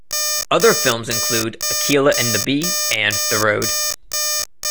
Other films include "Akeelah and the Bee" and "The Road".